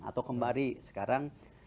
atau kembali sekarang